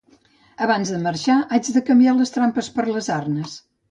Abans de marxar haig de canviar les trampes per les arnes